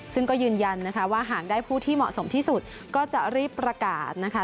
ซึ่งก็ยืนยันนะคะว่าหากได้ผู้ที่เหมาะสมที่สุดก็จะรีบประกาศนะคะ